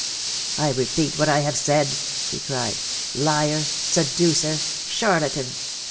" I repeat what I have said," he cried. " Liar, seducer, charlatan